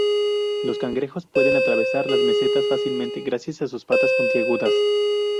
Los cangrejos pueden atravesar las mesetas fácilmente gracias a sus patas puntiagudas.